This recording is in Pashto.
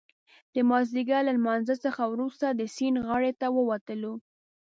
د مازدیګر له لمانځه څخه وروسته د سیند غاړې ته ووتلو.